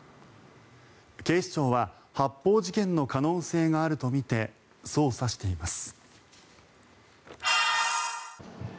警視庁は発砲事件の可能性があるとみて捜査しています。